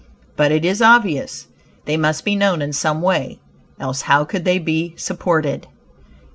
But it is obvious, they must be known in some way, else how could they be supported?